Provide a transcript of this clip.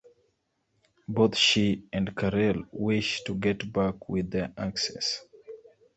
Both she and Karel wish to get back with their exes.